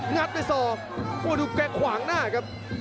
งัดไปสอบโอ้โหดูแก่ขวางหน้าครับ